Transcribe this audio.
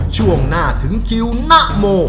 ช่วงหน้าถึงคิวนะโม